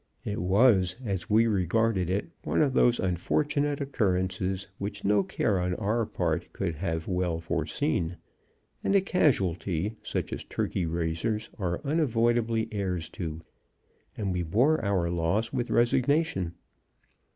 It was, as we regarded it, one of those unfortunate occurrences which no care on our part could have well foreseen, and a casualty such as turkey raisers are unavoidably heirs to, and we bore our loss with resignation.